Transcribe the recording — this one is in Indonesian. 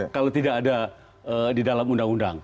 kalau tidak ada di dalam undang undang